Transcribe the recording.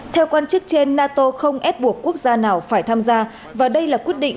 theo quan chức trên nato không ép buộc quốc gia nào phải tham gia và đây là quyết định